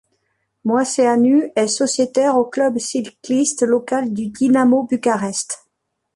Moiceanu est sociétaire au club cycliste local du Dinamo Bukarest.